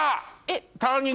えっ。